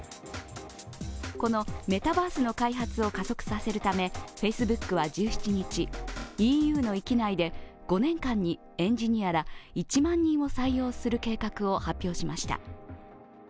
このメタバースの開発を加速させるためＦａｃｅｂｏｏｋは１７日、ＥＵの域内で５年間にエンジニアら１万人を採用する計画を発表しました。